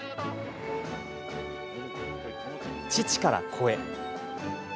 父から子へ。